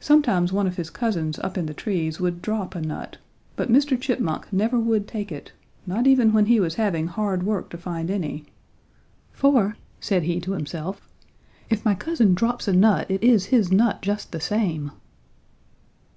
"Sometimes one of his cousins up in the trees would drop a nut, but Mr. Chipmunk never would take it, not even when he was having hard work to find any, 'for,' said he to himself, 'if my cousin drops a nut, it is his nut just the same.'